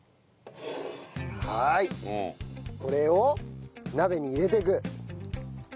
これを鍋に入れていく。